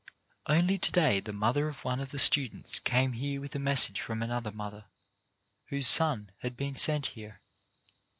Only to day the mother of one of the students came here with a message from another mother whose son had been sent here.